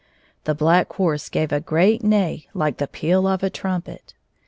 The Black Horse gave a great neigh like the peal of a trumpet.